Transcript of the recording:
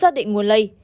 đã xác định nguồn lây